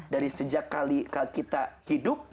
dari sejak kali kita hidup